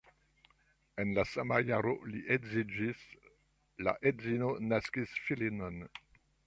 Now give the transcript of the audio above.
En la sama jaro li edziĝis, la edzino naskis filinon.